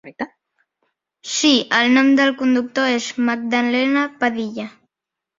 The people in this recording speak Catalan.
Sí, el nom del conductor és Magdalena Padilla.